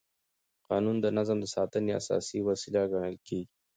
قانون د نظم د ساتنې اساسي وسیله ګڼل کېږي.